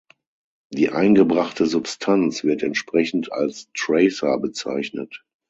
Die eingebrachte Substanz wird entsprechend als Tracer bezeichnet.